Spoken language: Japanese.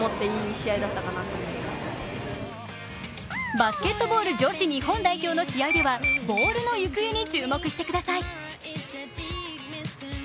バスケットボール女子日本代表の試合ではボールの行方に注目してください。